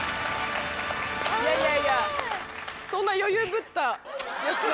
いやいやいやそんな余裕ぶった。